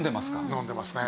飲んでますね。